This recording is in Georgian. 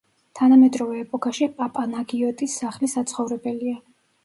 თანამედროვე ეპოქაში პაპანაგიოტის სახლი საცხოვრებელია.